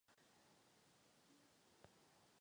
Proto je tady.